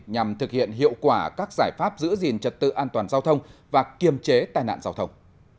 nhằm thực hiện hiệu quả các giải pháp giữ gìn trật tự an toàn giao thông và kiềm chế tai nạn giao thông